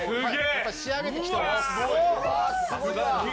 やっぱり仕上げてきております。